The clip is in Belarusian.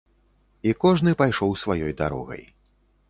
І кожны пайшоў сваёй дарогай.